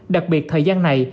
đặc biệt thời gian này